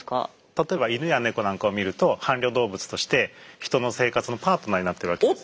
例えば犬や猫なんかを見ると伴侶動物として人の生活のパートナーになってるわけですね。